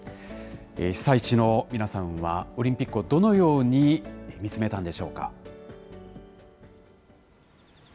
被災地の皆さんは、オリンピックをどのように見つめたんでしょうか。